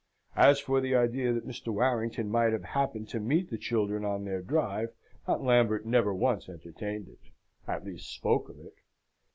As for the idea that Mr. Warrington might have happened to meet the children on their drive, Aunt Lambert never once entertained it, at least spoke of it.